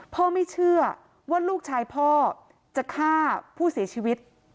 ไม่เชื่อว่าลูกชายพ่อจะฆ่าผู้เสียชีวิต